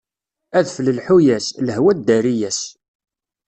Adfel lḥu-as, lehwa ddari-as.